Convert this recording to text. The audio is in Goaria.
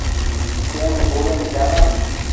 اين ٻورين چآلآن ۔